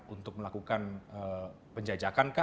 untuk melakukan penjajakan kah